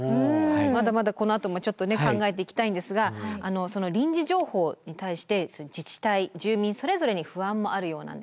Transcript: まだまだこのあともちょっとね考えていきたいんですがその臨時情報に対して自治体住民それぞれに不安もあるようなんですね。